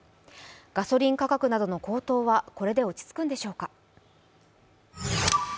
ガソリン価格などの高騰はこれで落ち着くんでしょうか。